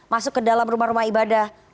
masuk ke dalam rumah rumah ibadah